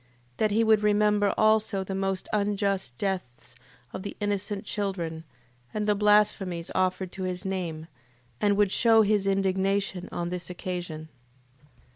That he would remember also the most unjust deaths of innocent children, and the blasphemies offered to his name, and would shew his indignation on this occasion.